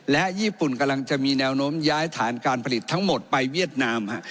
และญี่ปุ่นจะมีแนวโน้มย้ายฐานการผลิตไปเวียดนาม